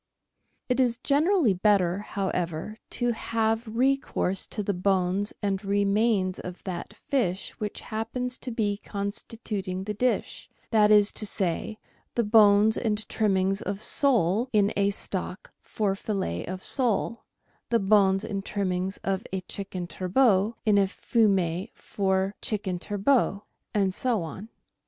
It is generally better, however, to have re course to the bones and remains of that fish which happens to be constituting the dish — that is to say, the bones and trimmings of sole in a stock for fillet of sole, the bones and trimmings of a chicken turbot in a fumet for a chicken turbot, and so on.